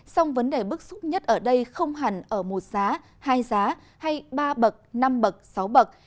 song vấn đề bức xúc nhất ở đây không hẳn ở một giá hai giá hay ba bậc năm bậc sáu bậc